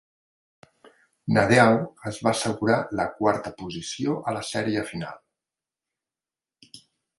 Nadeau es va assegurar la quarta posició a la sèrie final.